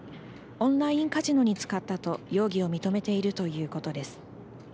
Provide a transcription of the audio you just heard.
オンラインカジノに使ったと容疑を認めているということです。